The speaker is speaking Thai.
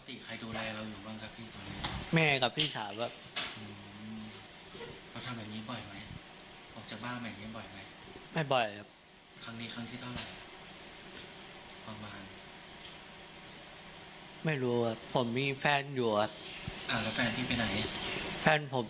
อีกแล้วครับผมผมจะไม่ทำอีกแล้วครับ